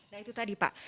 nah itu tadi pak